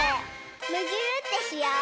むぎゅーってしよう！